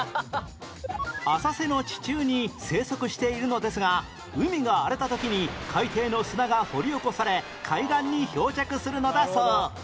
浅瀬の地中に生息しているのですが海が荒れた時に海底の砂が掘り起こされ海岸に漂着するのだそう